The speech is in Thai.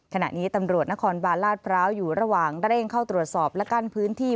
ขณะนี้ตำรวจนครบาลลาดพร้าวอยู่ระหว่างเร่งเข้าตรวจสอบและกั้นพื้นที่